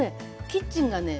キッチンがね